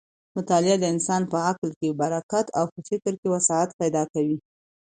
مطالعه د انسان په عقل کې برکت او په فکر کې وسعت پیدا کوي.